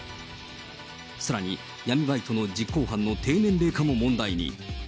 さらに闇バイトの実行犯の低年齢化も問題に。